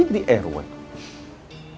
bener pengen berhenti di rw